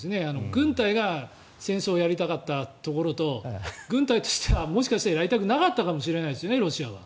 軍隊が戦争をやりたかったところと軍隊としてはもしかしたらやりたくなかったかもしれないですね、ロシアも。